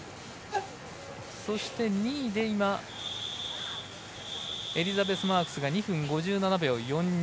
２位でエリザベス・マークスが２分５７秒４２。